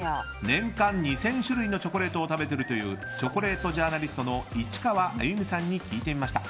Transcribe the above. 年間２０００種類のチョコレートを食べているというチョコレートジャーナリストの市川歩美さんに聞いてみました。